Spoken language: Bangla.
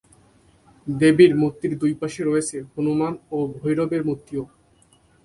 দেবীর মূর্তি দুপাশে রয়েছে হনুমান ও ভৈরবের মূর্তিও।